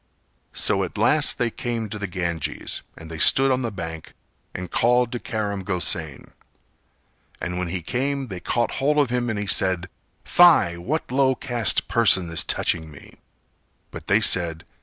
So at last they came to the Ganges and they stood on the bank and called to Karam Gosain; and when he came they caught hold of him and he said "Fie, what low caste person is touching me?" But they said.